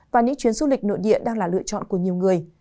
và những chuyến du lịch nội địa đang là lựa chọn của nhiều người